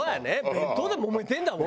弁当でもめてるんだもん。